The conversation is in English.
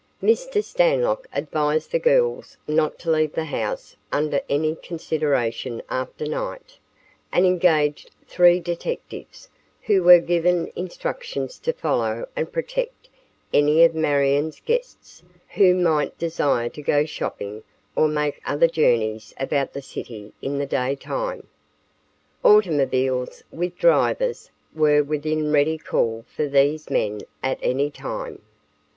Mr. Stanlock advised the girls not to leave the house under any consideration after night, and engaged three detectives, who were given instructions to follow and protect any of Marion's guests who might desire to go shopping or make other journeys about the city in the day time. Automobiles, with drivers, were within ready call for these men at any time.